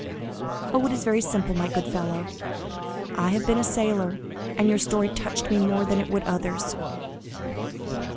"Oh, it is very simple, my good fellow; I have been a sailor, and your story touched me more than it would others."